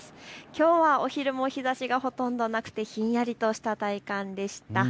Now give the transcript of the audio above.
きょうはお昼も日ざしがほとんどなくてひんやりとした体感でした。